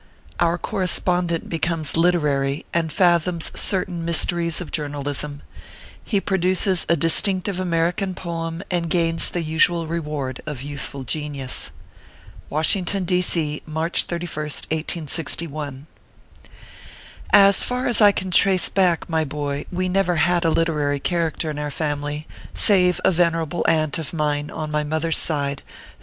OUR CORRESPONDENT BECOMES LITERARY, AND FATHOMS CERTAIN MYS TERIES OF JOURNALISM. HE PRODUCES A DISTINCTIVE AMERICAN POEM, AND GAINS THE USUAL REWARD OF YOUTHFUL GENIUS. WASHINGTON, D. C., March 31st, 1S61. As far I can trace back, my boy, we never had a literary character in our family, save a venerable aunt of mine, on my mother s side, who